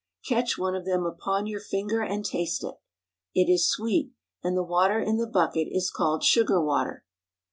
Catch one of them upon your finger and taste it. It is sweet, and the water in the bucket is called sugar water.